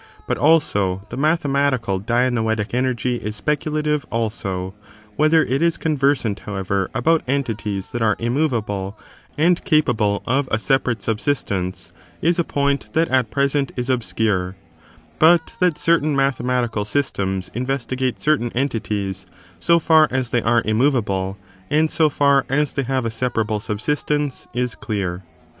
But also the case of mathe mathematical dianoetic energy is speculative also ; matics. whether it is conversant, however, about entities that are immovable, and capable of a separate subsistence, is a point that at present is obscure : but iJiat certain mathe matical systems investigate certain entities, so &r as they are immovable, and so far as they have a separable subsistence, is clear.